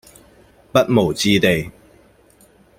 不毛之地